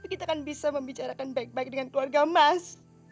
tapi kita kan bisa membicarakan baik baik dengan keluarga mas